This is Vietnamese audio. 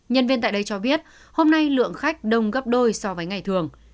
nhân viên tại đây cho biết hôm nay lượng khách đông gấp đôi so với ngày thường